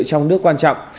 trong nước quan trọng